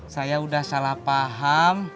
saya udah salah paham